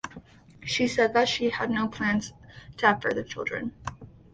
She said that she had no plans to have further children.